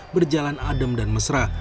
berjalan adem dan mesra